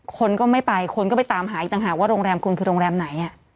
คนก็ไม่ไปคนก็ไปตามหาอีกต่างหากว่าโรงแรมคุณคือโรงแรมไหน